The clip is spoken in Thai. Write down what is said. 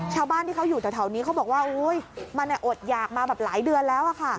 ชาวบ้านที่เขาอยู่แถวนี้เขาบอกว่าโอ๊ยมันอดหยากมาแบบหลายเดือนแล้ว